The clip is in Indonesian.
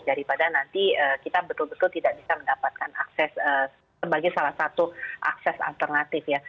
daripada nanti kita betul betul tidak bisa mendapatkan akses sebagai salah satu akses alternatif ya